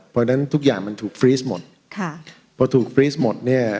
เพราะฉะนั้นทุกอย่างมันถูกฟรีสหมดค่ะพอถูกฟรีสหมดเนี่ย